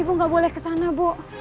ibu gak boleh kesana bu